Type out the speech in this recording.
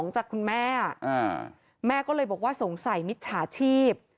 จากคุณแม่แม่ก็เลยบอกว่าสงสัยมิจฉาชีพ